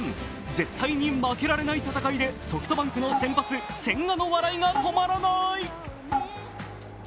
絶対に負けられない戦いでソフトバンクの先発・千賀の笑いが止まらない。